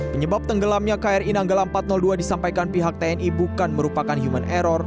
penyebab tenggelamnya kri nanggala empat ratus dua disampaikan pihak tni bukan merupakan human error